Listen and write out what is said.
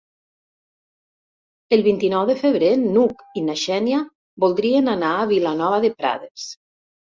El vint-i-nou de febrer n'Hug i na Xènia voldrien anar a Vilanova de Prades.